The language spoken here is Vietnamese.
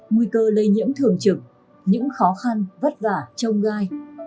nguy cơ lây nhiễm thường trực những khó khăn vất vả trông gai